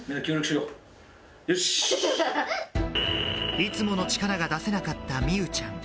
いつもの力が出せなかった美羽ちゃん。